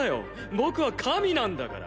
僕は神なんだから。